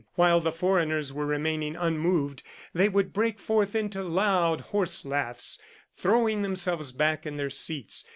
While the foreigners were remaining unmoved, they would break forth into loud horse laughs throwing themselves back in their seats.